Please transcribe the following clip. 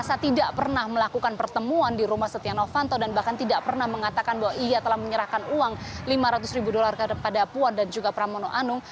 mereka tidak pernah melakukan pertemuan di rumah setia novanto dan bahkan tidak pernah mengatakan bahwa ia telah menyerahkan uang lima ratus ribu dolar kepada puan dan juga pramono anung